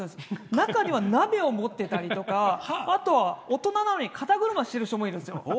中には鍋を持っていたりとかあとは大人なのに肩車をしてる人もいるんですよ。